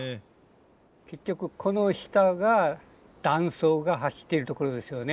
結局この下が断層が走ってるところですよね。